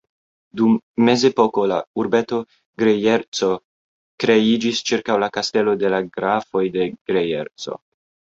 Dum mezepoko la urbeto Grejerco kreiĝis ĉirkaŭ la kastelo de la Grafoj de Grejerco.